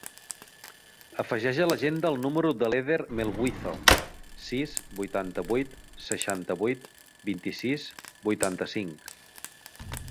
Afegeix a l'agenda el número de l'Eder Melguizo: sis, vuitanta-vuit, seixanta-vuit, vint-i-sis, vuitanta-cinc.